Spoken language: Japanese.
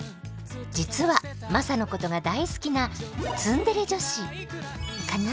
実はマサのことが大好きなツンデレ女子カナ？